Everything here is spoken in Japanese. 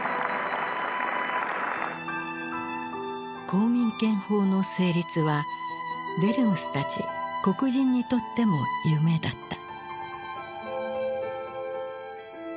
公民権法の成立はデルムスたち黒人にとっても夢だった。